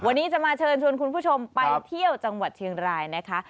วันนี้จะมาเชิญชวนคุณผู้ชมไปเที่ยวจังหวัดเชียงรายนะคะ